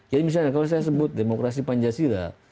jadi misalnya kalau saya sebut demokrasi pancasila